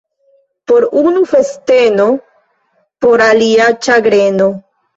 Por unu — festeno, por alia — ĉagreno.